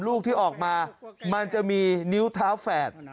ลูกที่ออกมามันจะมีนิ้วเท้าแฝด